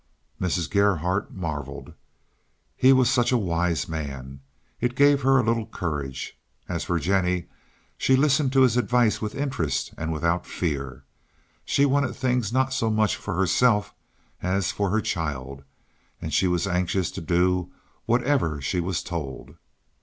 Mrs. Gerhardt marveled. He was such a wise man. It gave her a little courage. As for Jennie, she listened to his advice with interest and without fear. She wanted things not so much for herself as for her child, and she was anxious to do whatever she was told.